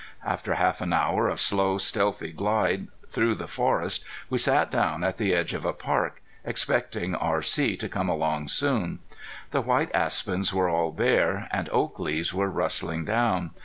After half an hour of slow, stealthy glide through the forest we sat down at the edge of a park, expecting R.C. to come along soon. The white aspens were all bare, and oak leaves were rustling down.